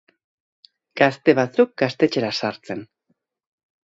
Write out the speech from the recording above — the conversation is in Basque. Gazte batzuk gaztetxera sartzen.